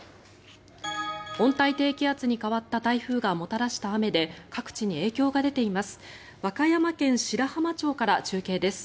温帯低気圧に変わった台風がもたらした雨で各地に影響が出ています。